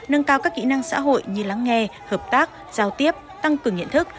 nâng cao các kỹ năng xã hội như lắng nghe hợp tác giao tiếp tăng cường nhận thức